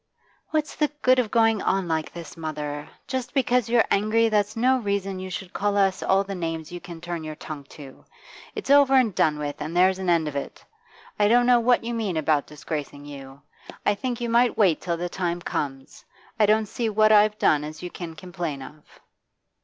'What's the good of going on like this, mother? Just because you're angry, that's no reason you should call us all the names you can turn your tongue to. It's over and done with, and there's an end of it. I don't know what you mean about disgracing you; I think you might wait till the time comes. I don't see what I've done as you can complain of.